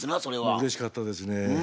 うれしかったですね。